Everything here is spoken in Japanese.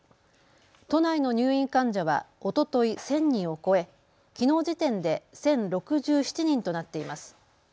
都内の入院患者はおととい１０００人を超え、きのう時点で１０６７人となっています。